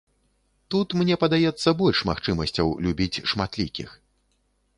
Тут, мне падаецца, больш магчымасцяў любіць шматлікіх.